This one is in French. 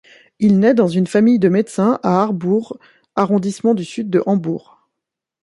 Il naît dans une famille de médecins à Harburg, arrondissement du sud de Hambourg.